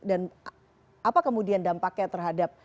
dan apa kemudian dampaknya terhadap